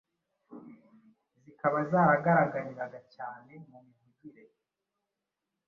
zikaba zaragaragariraga cyane mu mivugire,